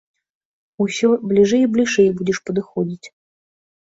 Усё бліжэй і бліжэй будзеш падыходзіць.